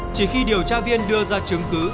chỉ khi điều tra viên đưa ra chứng cứ